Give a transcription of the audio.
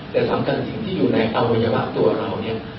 แต่สำคัญสิ่งที่อยู่ในความโดยอย่างบ้างตัวเรานี่